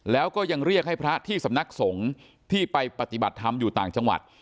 แล้วก็ยังเรียกให้พระที่สำนักสงฆ์ที่ไปปฏิบัติธรรมอยู่ต่างจังหวัด